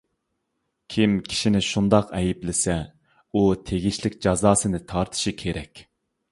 كىم كىشىنى شۇنداق ئەيىبلىسە، ئۇ تېگىشلىك جازاسىنى تارتىشى كېرەك!